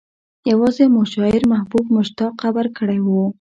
يوازې مو شاعر محبوب مشتاق خبر کړی و.